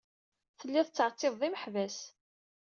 Telliḍ tettɛettibeḍ imeḥbas.